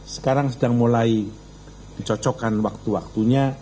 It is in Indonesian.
sekarang sedang mulai dicocokkan waktu waktunya